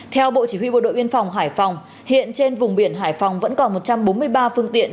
theo bộ chỉ huy bộ đội biên phòng hải phòng hiện trên vùng biển hải phòng vẫn còn một trăm bốn mươi ba phương tiện